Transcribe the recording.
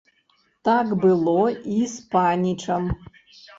Так было і з панічам.